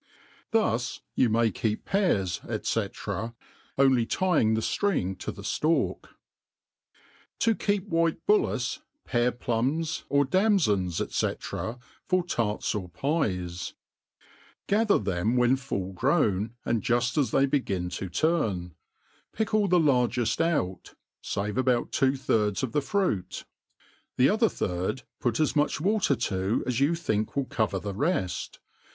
Thus j^oa may keep pears, &c. only tying the firing to theftalk. Ti keep JfTnte BuUice* Pear Plums ^ or Damfons. l^c.for Tarts or Pt€S»> »* GATHER then^ when full grown, and juft as they begin to lurn. Fick sdl the largeft out, fave about two»thirds of the fruit, the other third put as much water to as you think will cover the reft.